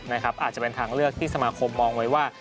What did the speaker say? อาจจะเป็นทางเลือกที่สมาคมมองไว้ว่า